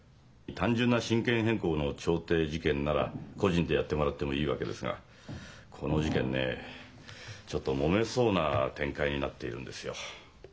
単純な親権変更の調停事件なら個人でやってもらってもいいわけですがこの事件ねえちょっともめそうな展開になっているんですよ。